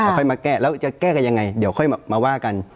ค่อยมาแก้แล้วจะแก้กันยังไงเดี๋ยวค่อยมาว่ากัน